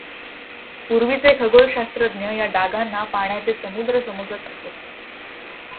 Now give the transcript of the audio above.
पूर्वीचे खगोलशास्त्रज्ञ या डागांना पाण्याचे समुद्र समजत असत.